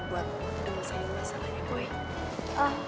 buat mengurus masalahnya boy